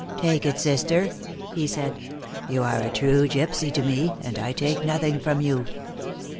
"Take it, sister," he said. "You are a true gypsy to me, and I take nothing from you."